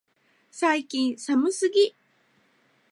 最近寒すぎ、